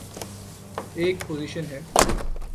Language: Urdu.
ایک پوزیشن ہے۔